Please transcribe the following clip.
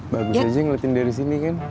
bagus aja ngeletin dari sini kan